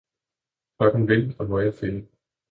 Klokken vil og må jeg finde!